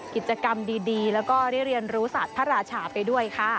กิจกรรมดีและนิเรียนรู้สัตว์ภรรจาไปด้วยค่ะ